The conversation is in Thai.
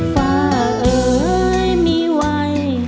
ฟ้าเอ๋ยไม่ไหว